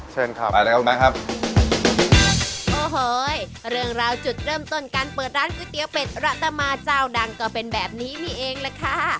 เชิญครับไปแล้วคุณมาครับโอ้โหเรื่องราวจุดเริ่มต้นการเปิดร้านก๋วยเตี๋ยวเป็ดระตมาเจ้าดังก็เป็นแบบนี้นี่เองแหละค่ะ